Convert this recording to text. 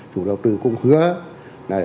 chủ đầu tư cũng hứa